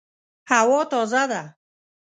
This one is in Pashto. هوا تازه ده